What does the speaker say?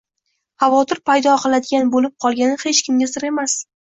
xavotir paydo qiladigan bo‘lib qolgani hech kimga sir emas